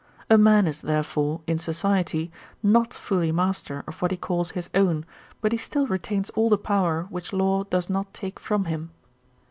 A man is therefore, in society, not fully master of what he calls his own, but he still retains all the power which law does not take from him.